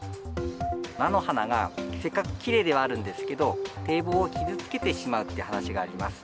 菜の花がせっかくきれいではあるんですけれども、堤防を傷つけてしまうという話があります。